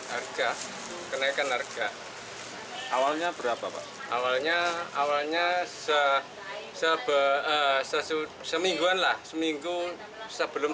harga kenaikan harga awalnya berapa pak awalnya awalnya semingguan lah seminggu sebelum